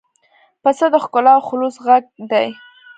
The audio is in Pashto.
پسه د ښکلا او خلوص غږ دی.